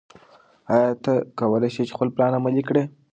ایا ته کولای شې خپل پلان عملي کړې؟